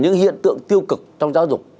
những hiện tượng tiêu cực trong giáo dục